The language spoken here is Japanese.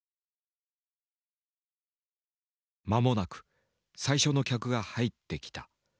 間もなく最初の客が入ってきた。